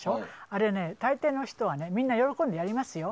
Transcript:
あれ、たいていの人はみんな喜んでやりますよ。